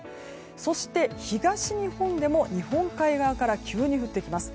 そして、東日本でも日本海側から急に降ってきます。